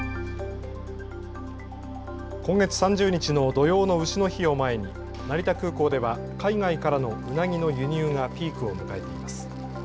今月３０日の土用のうしの日を前に成田空港では海外からのうなぎの輸入がピークを迎えています。